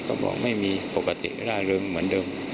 ก็บอกไม่มีปกติร่าเริงเหมือนเดิม